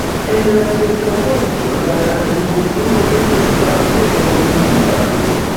En la ĉirkaŭaĵo la agrikulturo estas vaste evoluinta.